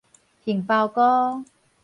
杏鮑菇